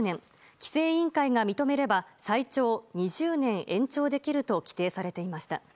規制委員会が認めれば最長２０年延長できると規定されていました。